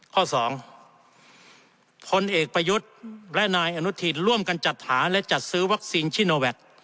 ข้อ๒พลเอกประยุทธ์และนายอนุทินร่วมกันจัดหาและจัดซื้อวัคซีนชิโนแวค